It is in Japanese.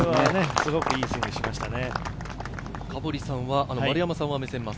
すごくいいスイングしましたね。